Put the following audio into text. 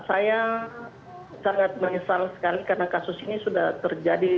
saya sangat menyesal sekali karena kasus ini sudah terjadi